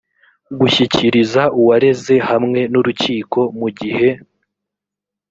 gushyikiriza uwareze hamwe n urukiko mu gihe